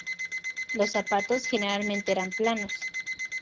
Los zapatos generalmente eran planos.